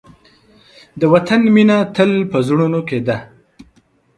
د وطن مینه تل په زړونو کې ده.